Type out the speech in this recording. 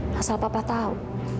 apa asal papa tau